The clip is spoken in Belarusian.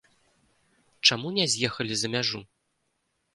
Чаму не з'ехалі за мяжу?